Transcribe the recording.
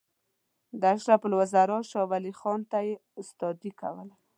د اشرف الوزرا شاولي خان ته یې استادي کوله.